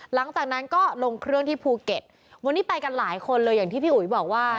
หลังจากนั้นก็ลงเครื่องที่ภูเก็ตวันนี้ไปกันหลายคนเลยอย่างที่พี่อุ๋ยบอกว่า